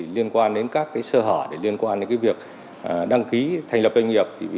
liên quan đến các sơ hở để liên quan đến việc đăng ký thành lập doanh nghiệp